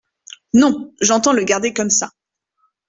Non, j’entends le garder comme ça.